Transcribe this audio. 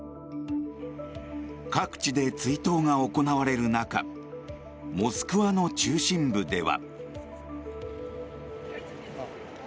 各地で追悼が行われる中モスクワの中心部では。